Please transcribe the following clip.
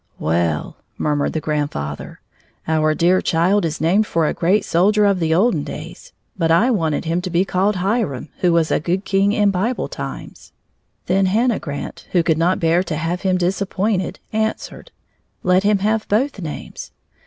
"Well," murmured the grandfather, "our dear child is named for a great soldier of the olden days. But I wanted him to be called Hiram, who was a good king in Bible times." Then Hannah Grant, who could not bear to have him disappointed, answered: "Let him have both names!"